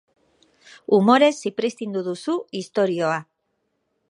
Umorez zipriztindu duzu istorioa.